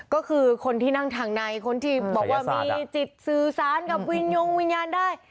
ก็คือคนที่นั่งทางในคนที่บอกว่ามีจิตสื่อสารกับวิญญงวิญญาณได้